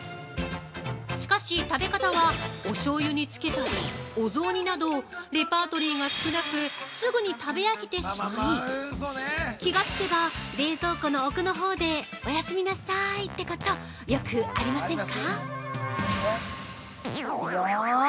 しかし食べ方はおしょうゆにつけたりお雑煮などレパートリーが少なくすぐに食べ飽きてしまい気が付けば、冷凍庫の奥のほうでおやすみなさいってことよくありませんか。